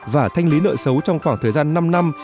và thanh lý nợ xấu trong khoảng thời gian năm năm